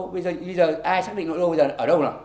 bây giờ ai xác định nội đô bây giờ ở đâu